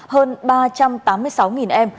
hơn ba trăm tám mươi sáu em